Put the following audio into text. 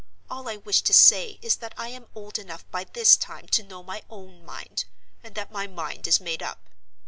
All I wish to say is that I am old enough by this time to know my own mind, and that my mind is made up.